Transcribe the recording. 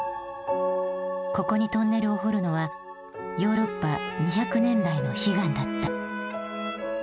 ここにトンネルを掘るのはヨーロッパ２００年来の悲願だった。